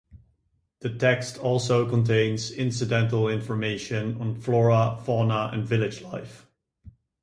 The text also contains incidental information on flora, fauna and village life.